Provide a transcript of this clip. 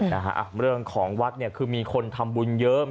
นะฮะเรื่องของวัดเนี่ยคือมีคนทำบุญเยอะ